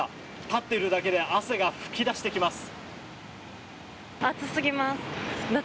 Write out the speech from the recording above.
立っているだけで汗が噴き出してきます。